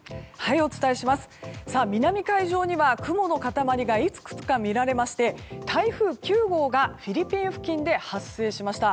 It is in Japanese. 南海上に雲の塊がいくつか見られまして台風９号がフィリピン付近で発生しました。